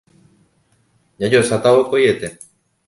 Jajoecháta vokoiete.